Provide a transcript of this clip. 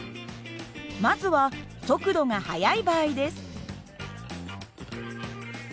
まずは速度が速い場合です。